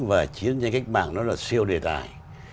và chiến tranh cách mạng nó là siêu đề tài